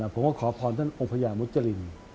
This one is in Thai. ผมก็ขอพรท่านองค์พญามุจริน